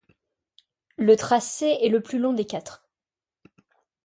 Le tracé est le plus long des quatre.